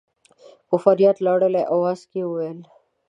په فرياد لړلي اواز کې يې وويل.